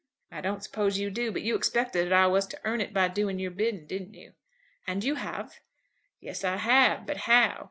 "I don't suppose you do; but you expected that I was to earn it by doing your bidding; didn't you?" "And you have." "Yes, I have; but how?